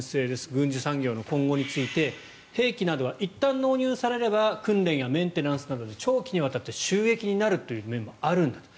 軍需産業の今後について兵器などはいったん納入されれば訓練やメンテナンスなどに長期にわたって収益になるという面もあるんだと。